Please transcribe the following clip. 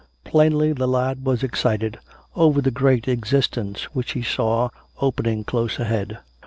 Plainly the lad was excited over the great existence which he saw opening close ahead.